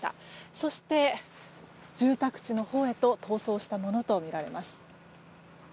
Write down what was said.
そして、住宅地のほうへと逃走したものとみられます。